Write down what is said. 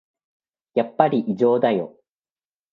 やっぱり異常だよ